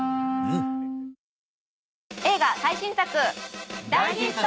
映画最新作。